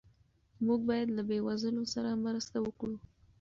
موږ باید له بې وزلو سره مرسته وکړو.